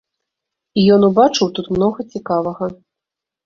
І ён убачыў тут многа цікавага.